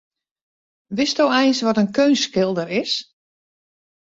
Witsto eins wat in keunstskilder is?